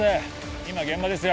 今現場ですよ